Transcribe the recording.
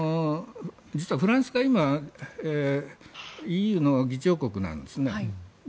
実はフランスが今、ＥＵの議長国なんです。